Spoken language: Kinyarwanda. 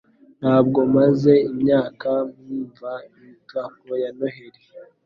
Ntabwo maze imyaka mvuna imitako ya Noheri.